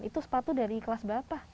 itu sepatu dari kelas berapa